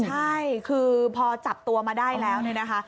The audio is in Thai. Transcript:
ใช่คือพอจับตัวมาได้แล้วเนี่ยนะคะ